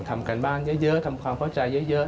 ทำกันบ้างเยอะทำความเข้าใจเยอะ